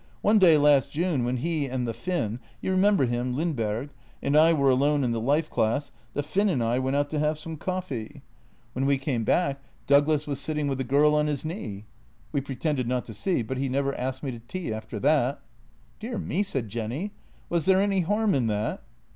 One day last June, when he and the Finn — you remember him, Lindberg? — and I were alone in the life class, the Firm and I went out to have some coffee. JENNY 32 When we came back Douglas was sitting with the girl on his knee. We pretended not to see, but he never asked me to tea after that." " Dear me," said Jenny. "Was there any harm in that?